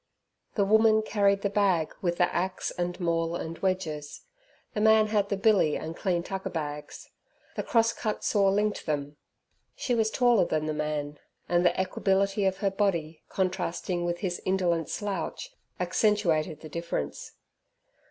The woman carried the bag with the axe and maul and wedges; the man had the billy and clean tucker bags; the cross cut saw linked them. She was taller than the man, and the equability of her body, contrasting with his indolent slouch, accentuated the difference.